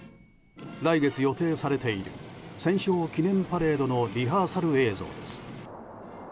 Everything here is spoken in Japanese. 来月、予定されている戦勝記念パレードのリハーサル映像です。